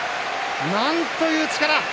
なんという力。